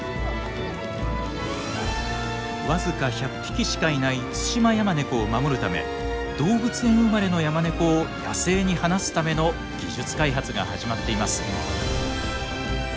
僅か１００匹しかいないツシマヤマネコを守るため動物園生まれのヤマネコを野生に放すための技術開発が始まっています。